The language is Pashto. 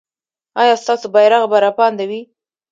ایا ستاسو بیرغ به رپانده وي؟